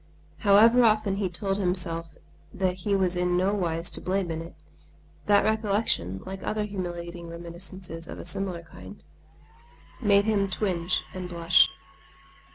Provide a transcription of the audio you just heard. However often he told himself that he was in no wise to blame in it, that recollection, like other humiliating reminiscences of a similar kind, made him twinge and blush.